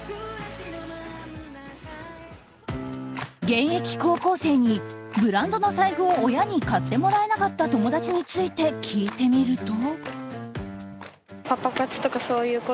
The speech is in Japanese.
現役高校生にブランドの財布を親に買ってもらえなかった友達について聞いてみると。